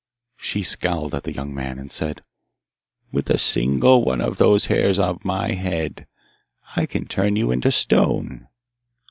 She scowled at the young man and said, 'With a single one of the hairs of my head I can turn you into stone.